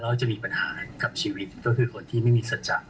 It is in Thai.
แล้วจะมีปัญหากับชีวิตก็คือคนที่ไม่มีศจรรย์